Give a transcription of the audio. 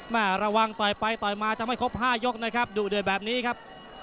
ระวังต่อยไปต่อยมาจะไม่ครบ๕ยกนะครับดุเดือดแบบนี้ครับ